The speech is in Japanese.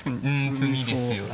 詰みですよね。